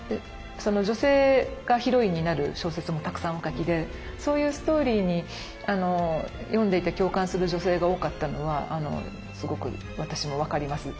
女性がヒロインになる小説もたくさんお書きでそういうストーリーに読んでいて共感する女性が多かったのはすごく私も分かります。